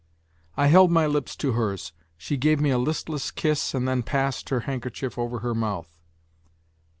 I held my lips to hers; she gave me a listless kiss and then passed her handkerchief over her mouth.